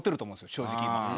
正直今。